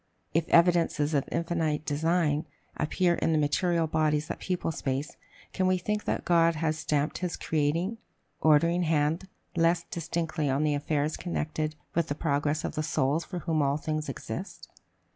If evidences of infinite design appear in the material bodies that people space, can we think that God has stamped his creating, ordering hand less distinctly on the affairs connected with the progress of the souls for whom all things exist?